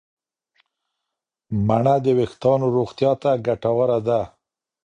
مڼه د وریښتانو روغتیا ته ګټوره ده.